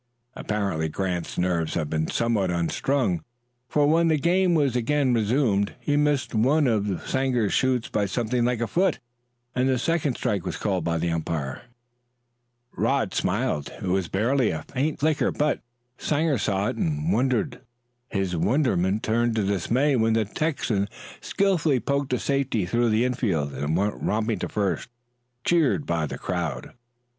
Apparently Grant's nerves had been somewhat unstrung, for when the game was again resumed he missed one of Sanger's shoots by something like a foot, and the second strike was called by the umpire. Then Rod smiled; it was barely a faint flicker, but Sanger saw it and wondered. His wonderment turned to dismay when the Texan skillfully poked a safety through the infield and went romping to first, cheered by the crowd.